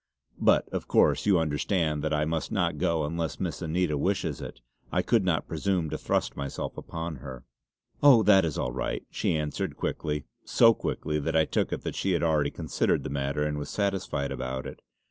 But of course you understand that I must not go unless Miss Anita wishes it. I could not presume to thrust myself upon her." "Oh that is all right!" she answered quickly, so quickly that I took it that she had already considered the matter and was satisfied about it.